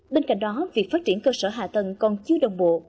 bên cạnh đó việc phát triển cơ sở hạ tầng còn chưa đồng bộ